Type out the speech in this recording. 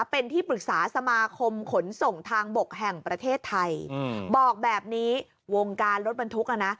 เป็นที่ปรึกษาสมาคมขนส่งทางบกแห่งประเทศไทยบอกแบบนี้วงการรถบรรทุกอ่ะนะ